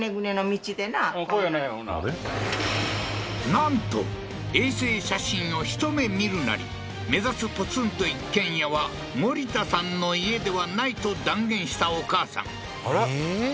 なんと衛星写真をひと目見るなり目指すポツンと一軒家はモリタさんの家ではないと断言したお母さんええー？